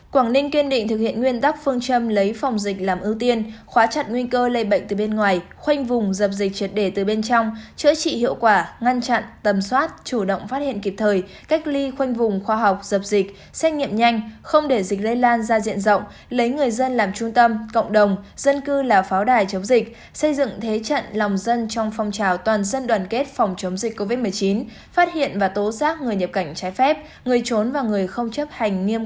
quảng ninh kiên định thực hiện nguyên tắc phương châm lấy phòng dịch làm ưu tiên khóa chặn nguyên cơ lây bệnh từ bên ngoài khoanh vùng dập dịch trượt để từ bên trong chữa trị hiệu quả ngăn chặn tầm soát chủ động phát hiện kịp thời cách ly khoanh vùng khoa học dập dịch xét nghiệm nhanh không để dịch lây lan ra diện rộng lấy người dân làm trung tâm cộng đồng dân cư là pháo đài chống dịch xây dựng thế trận lòng dân trong phong trào toàn dân đoàn kết phòng chống dịch covid một mươi chín phát hiện và tố giác người nhập cảnh trái ph